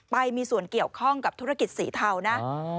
ไปมีส่วนเกี่ยวข้องกับธุรกิจสีเทานะ